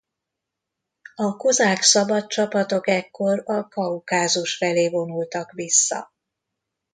A kozák szabadcsapatok ekkor a Kaukázus felé vonultak vissza.